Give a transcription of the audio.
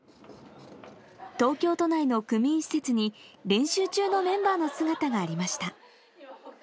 東京都内の区民施設に練習中のメンバーの姿がありました。